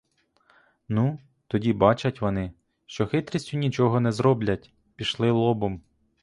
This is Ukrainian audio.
Ну, тоді бачать вони, що хитрістю нічого не зроблять, пішли лобом.